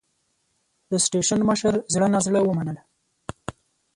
د سټېشن مشر زړه نازړه ومنله.